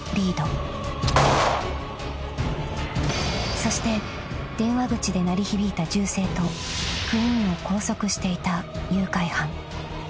［そして電話口で鳴り響いた銃声とクインを拘束していた誘拐犯］